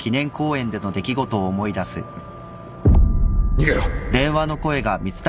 逃げろ！